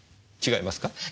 違いますか？